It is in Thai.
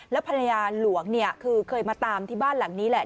แล้วภรรยาหลวงคือเคยมาตามที่บ้านหลังนี้แหละ